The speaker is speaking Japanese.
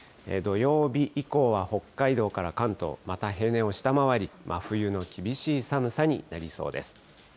土曜日以降は北海道から関東、また平年を下回り、真冬の厳しい寒さになりそうです。